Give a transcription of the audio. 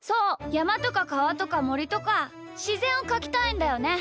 やまとかかわとかもりとかしぜんをかきたいんだよね。